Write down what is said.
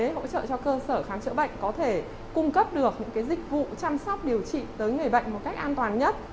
để hỗ trợ cho cơ sở khám chữa bệnh có thể cung cấp được những dịch vụ chăm sóc điều trị tới người bệnh một cách an toàn nhất